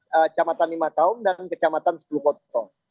kecamatan limataung dan kecamatan sepuluh koto